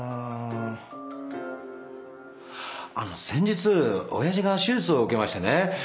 先日おやじが手術を受けましてね